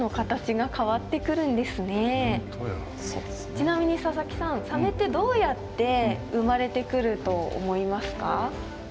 ちなみに佐々木さんサメってどうやって生まれてくると思いますか？